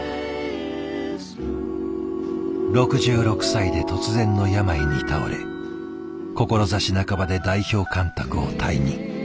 ６６歳で突然の病に倒れ志半ばで代表監督を退任。